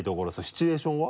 シチュエーションは？